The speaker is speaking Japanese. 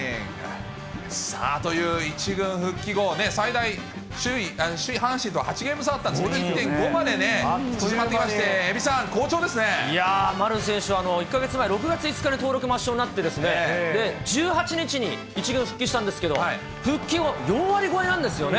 さあ、という１軍復帰後、最大、首位阪神と８ゲーム差まであったんですが、縮めまして、好調ですいやー、丸選手は１か月前、６月５日に登録抹消になってですね、１８日に１軍復帰したんですけど、復帰後、４割超えなんですよね。